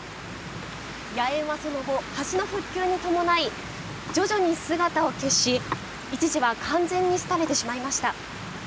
野猿は、その後、橋の復旧に伴い徐々に姿を消し一時は完全に廃れてしまいました。